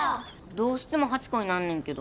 どうしても８個になんねんけど。